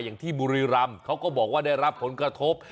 อย่างที่บุรีรำเขาก็บอกว่าได้รับผลกระทบ